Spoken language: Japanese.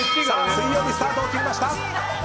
水曜日、スタートを切りました。